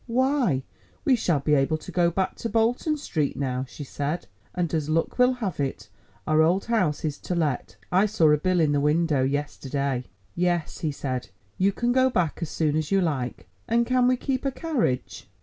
"Why, we shall be able to go back to Bolton Street now," she said, "and as luck will have it, our old house is to let. I saw a bill in the window yesterday." "Yes," he said, "you can go back as soon as you like." "And can we keep a carriage?"